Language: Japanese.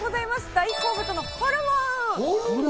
大好物のホルモン。